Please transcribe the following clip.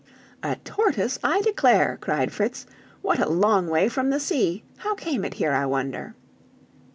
"A tortoise, I declare!" cried Fritz. "What a long way from the sea. How came it here, I wonder?"